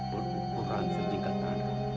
berukuran sehingga tanah